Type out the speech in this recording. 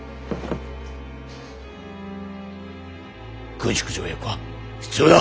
軍縮条約は必要だ！